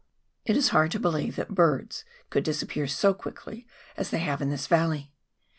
It is hard to believe that birds could disappear so quickly as they have in this valley.